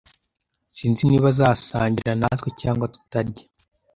Sinzi niba azasangira natwe cyangwa tutarya.